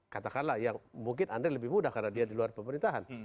katakanlah andre lebih mudah karena dia di luar pemerintahan